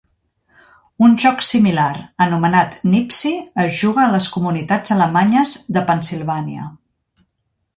Un joc similar anomenat Nipsi es juga a les comunitats alemanyes de Pennsilvània.